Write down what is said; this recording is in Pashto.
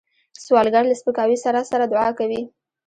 سوالګر له سپکاوي سره سره دعا کوي